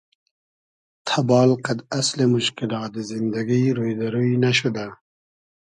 تئبال قئد اسلی موشکیلات زیندگی روی دۂ روی نئشودۂ